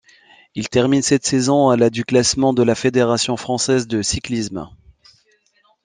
Il termine cette saison à la du classement de la Fédération française de cyclisme.